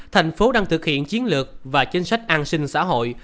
thành phố đang thực hiện chiến lược và chính sách an sinh xã hội